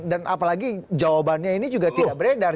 dan apalagi jawabannya ini juga tidak beredar